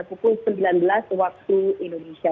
berlangsung pada pukul sembilan belas waktu indonesia